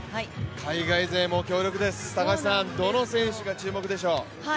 海外勢も強力です、どの選手が注目でしょう？